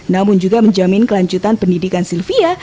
namun juga menjamin kelanjutan pendidikan sylvia